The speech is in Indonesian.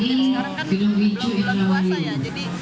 jadi sekarang kan belum bisa puasa ya